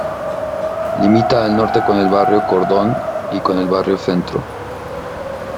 Limita al norte con el barrio Cordón y con el Barrio Centro.